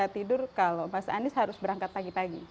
tidur kalau mas anies harus berangkat pagi pagi